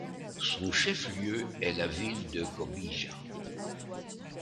Son chef-lieu est la ville de Cobija.